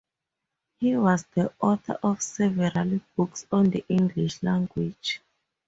He was the author of several books on the English language.